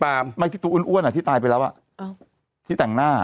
เป็นการกระตุ้นการไหลเวียนของเลือด